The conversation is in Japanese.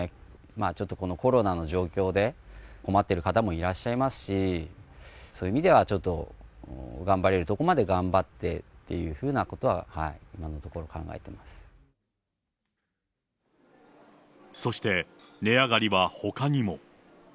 ちょっとこのコロナの状況で、困ってる方もいらっしゃいますし、そういう意味では、ちょっと頑張れるところまで頑張ってっていうふうなところを、今そして、値上がりはほかにも。